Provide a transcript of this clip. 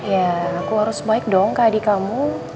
ya aku harus mike dong ke adik kamu